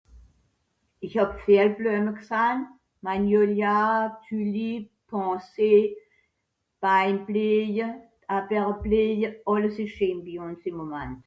ich hab viel blùme gsahn